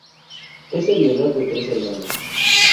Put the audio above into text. Es el menor de tres hermanos.